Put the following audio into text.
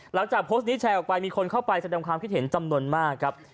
หลังจากโพสต์นี้แชร์ออกไปมีคนเข้าไปแสดงความคิดเห็นจำนวนมากครับ